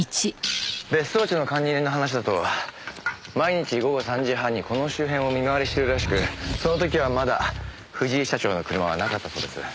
別荘地の管理人の話だと毎日午後３時半にこの周辺を見回りしてるらしくその時はまだ藤井社長の車はなかったそうです。